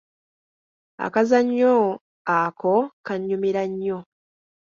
Akazannyo ako kannyumira nnyo.